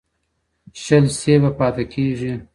شل سېبه پاته کېږي.